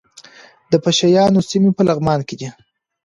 د پشه یانو سیمې په لغمان کې دي